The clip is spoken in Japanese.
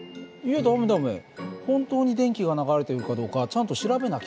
本当に電気が流れてるかどうかちゃんと調べなきゃ。